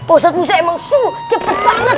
ustadz musa emang su cepet banget